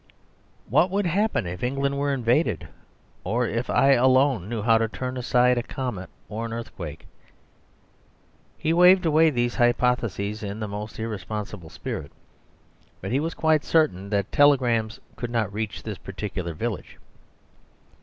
What would happen if England were invaded, or if I alone knew how to turn aside a comet or an earthquake. He waved away these hypotheses in the most irresponsible spirit, but he was quite certain that telegrams could not reach this particular village.